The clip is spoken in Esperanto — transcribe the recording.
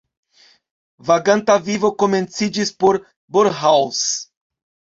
Vaganta vivo komenciĝis por Borrhaus.